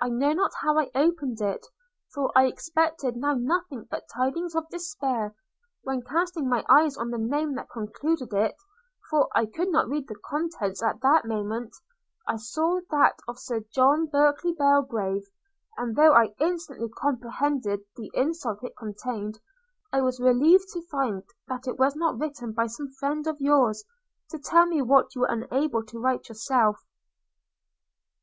I know not how I opened it, for I expected now nothing but tidings of despair; when, casting my eyes on the name that concluded it, for I could not read the contents at that moment, I saw that of Sir John Berkely Belgrave; and though I instantly comprehended the insult it contained, I was relieved find that it was not written by some friend of yours, to tell me what you were unable to write yourself.